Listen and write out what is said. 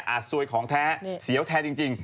อาจซวยของแท้เสียวแทนจริง